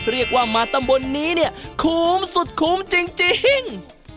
เรียกว่ามาตำบลนี้เนี่ยคุ้มสุดคุ้มจริง